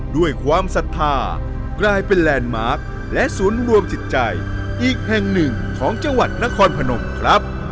ด้วยความศรัทธากลายเป็นแลนด์มาร์คและศูนย์รวมจิตใจอีกแห่งหนึ่งของจังหวัดนครพนมครับ